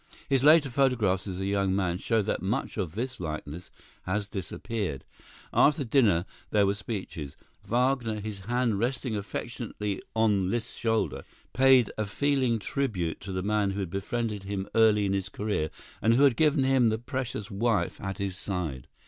His later photographs as a young man show that much of this likeness has disappeared. After dinner, there were speeches. Wagner, his hand resting affectionately on Liszt's shoulder, paid a feeling tribute to the man who had befriended him early in his career and who had given him the precious wife at his side.